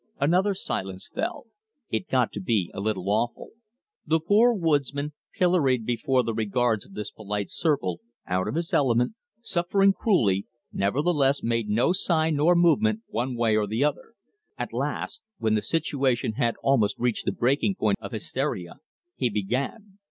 Another silence fell. It got to be a little awful. The poor woodsman, pilloried before the regards of this polite circle, out of his element, suffering cruelly, nevertheless made no sign nor movement one way or the other. At last when the situation had almost reached the breaking point of hysteria, he began.